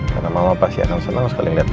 karena mama pasti akan senang sekali liat kamu